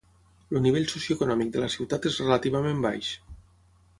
El nivell socioeconòmic de la ciutat és relativament baix.